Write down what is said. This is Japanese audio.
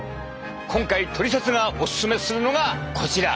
今回「トリセツ」がオススメするのがこちら！